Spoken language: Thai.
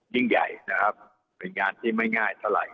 ยิ่งใหญ่นะครับเป็นงานที่ไม่ง่ายเท่าไหร